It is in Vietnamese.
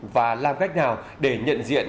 và làm cách nào để nhận diện